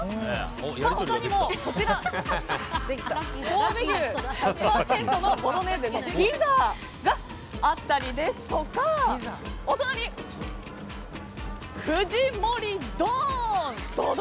他にも神戸牛１００％のボロネーゼピザがあったりですとかお隣、富士盛り丼！